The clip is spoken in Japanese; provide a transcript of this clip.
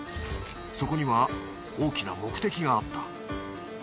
そこには大きな目的があった。